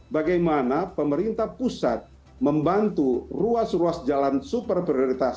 bagaimana pemerintah pusat membantu ruas ruas jalan super prioritas